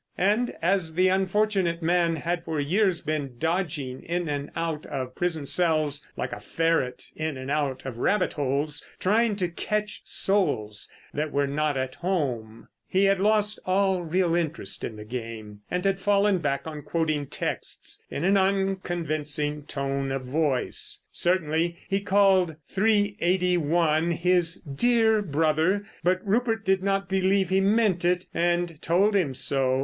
And as the unfortunate man had for years been dodging in and out of prison cells like a ferret in and out of rabbit holes trying to catch souls that were not at home, he had lost all real interest in the game and had fallen back on quoting texts in an unconvincing tone of voice. Certainly he called Three eighty one his "dear brother," but Rupert did not believe he meant it, and told him so.